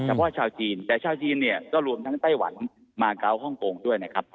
พ่อชาวจีนแต่ชาวจีนเนี่ยก็รวมทั้งไต้หวันมาเกาะฮ่องกงด้วยนะครับ